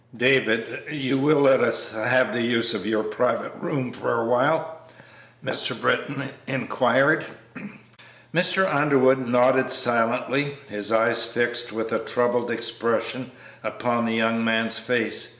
"David, you will let us have the use of your private room for a while?" Mr. Britton inquired. Mr. Underwood nodded silently, his eyes fixed with a troubled expression upon the young man's face.